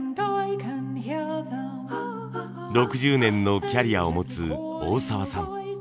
６０年のキャリアを持つ大澤さん。